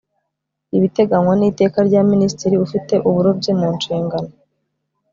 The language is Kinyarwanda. ibiteganywa n iteka rya minisitiri ufite uburobyi mu nshingano